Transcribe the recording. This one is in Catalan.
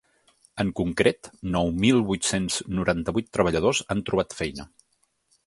En concret, nou mil vuit-cents noranta-vuit treballadors han trobat feina.